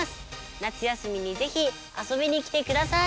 夏休みにぜひ遊びに来てください！